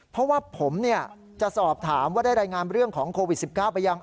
เพราะว่าผมจะสอบถามว่าได้รายงานเรื่องของโควิด๑๙ไปยัง